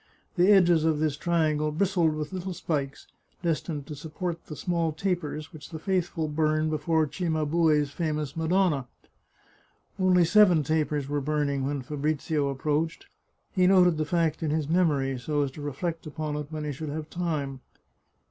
The edges of this triangle bristled with little spikes, destined to support the small tapers which the faithful burn before Cimabue's fa mous Madonna. Only seven tapers were burning when Fabrizio ap proached. He noted the fact in his memory, so as to re flect on it when he should have time.